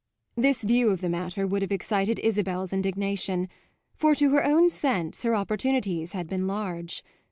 This view of the matter would have excited Isabel's indignation, for to her own sense her opportunities had been large.